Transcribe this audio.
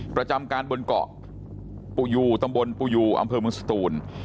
ประจำการบนเกาะปูยูตำบลปูยูอำเภอเมืองสตูน